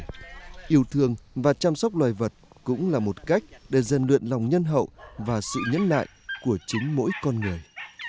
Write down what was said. nên yêu thương và chăm sóc loài vật cũng là một cách để dành luyện lòng nhân hậu và sự nhấn lại của chính mỗi con người